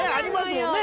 もんね